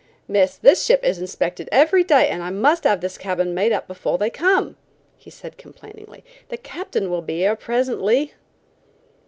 "Miss, this ship is inspected every day and I must have this cabin made up before they come," he said complainingly. "The captain will be here presently."